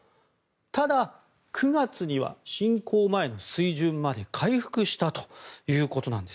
ただ、９月には侵攻前の水準まで回復したということなんです。